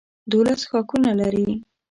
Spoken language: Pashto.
دولس ښاخونه لري.